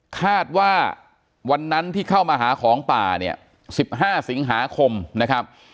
คาดว่าวันนั้นที่เข้ามาหาของป่าเนี่ย๑๕สิงหาคมนะครับ